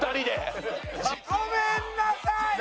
ごめんなさい！